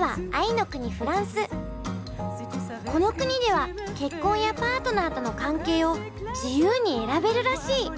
まずはこの国では結婚やパートナーとの関係を自由に選べるらしい。